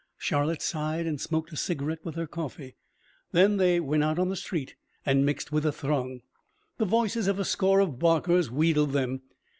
Charlotte sighed and smoked a cigarette with her coffee. Then they went out on the street and mixed with the throng. The voices of a score of barkers wheedled them.